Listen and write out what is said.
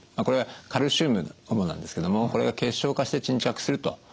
これはカルシウムが主なんですけどもこれが結晶化して沈着すると。